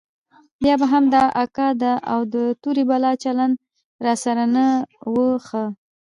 بيا به هم د اکا او د تورې بلا چلند راسره نه و ښه.